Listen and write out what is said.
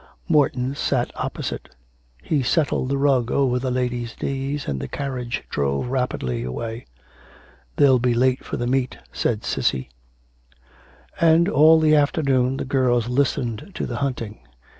Morton sat opposite. He settled the rug over the ladies' knees and the carriage drove rapidly away. 'They'll be late for the meet,' said Cissy. And all the afternoon the girls listened to the hunting.